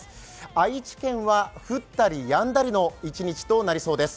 愛知県は降ったりやんだりの一日となりそうです。